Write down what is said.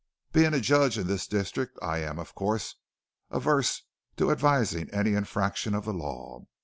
"Being a judge in this district I am, of course, averse to advising any infractions of the law.